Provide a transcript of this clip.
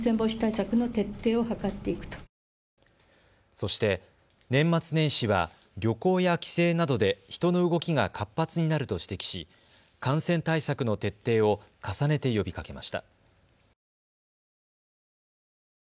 そして年末年始は旅行や帰省などで人の動きが活発になると指摘し感染対策の徹底を重ねて呼びかけました。